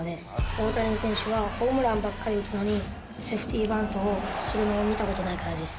大谷選手はホームランばっかり打つのに、セーフティバントをするのを見たことないからです。